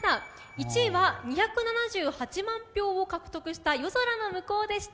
１位は２７８満票を獲得した「夜空ノムコウ」でした。